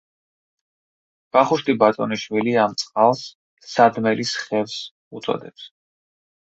ვახუშტი ბატონიშვილი ამ წყალს „სადმელის ხევს“ უწოდებს.